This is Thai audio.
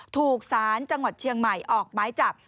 ถูกสารจังหวัดเชียงใหม่ออกไม้จับ